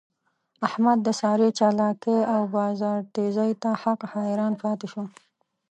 احمد د سارې چالاکی او بازار تېزۍ ته حق حیران پاتې شو.